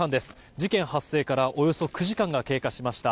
事件発生からおよそ９時間が経過しました。